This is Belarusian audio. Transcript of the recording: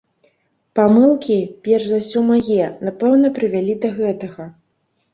Памылкі, перш за ўсё мае, напэўна, прывялі да гэтага.